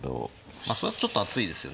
まあそれはちょっと厚いですよね